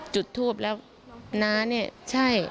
จุดทูปแล้วน้าเนี่ยใช่